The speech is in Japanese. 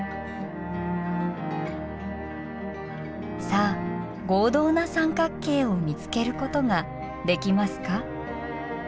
さあ合同な三角形を見つけることができますか？